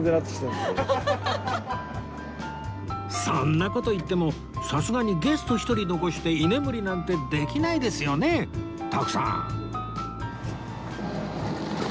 そんな事言ってもさすがにゲスト１人残して居眠りなんてできないですよね徳さん